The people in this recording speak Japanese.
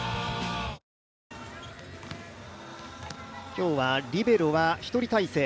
今日はリベロは１人体制。